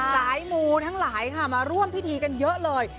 สายมูทั้งหลายค่ะมาร่วมพิธีกันเยอะเลย